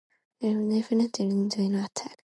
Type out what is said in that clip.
The next day Delfino attacked.